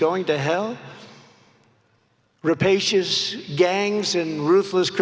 gang yang berburu dan penyakit yang tak berhubung